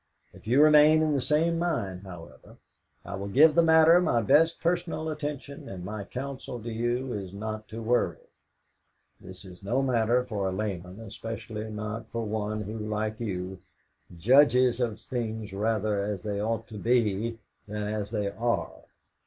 If you remain in the same mind, however, I will give the matter my best personal attention, and my counsel to you is not to worry. This is no matter for a layman, especially not for one who, like you, judges of things rather as they ought to be than as they are.